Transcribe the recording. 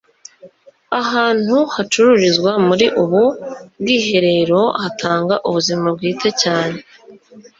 ahantu hacururizwa muri ubu bwiherero hatanga ubuzima bwite cyane